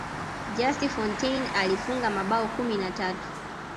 just fontaine alifunga mabao kumi na tatu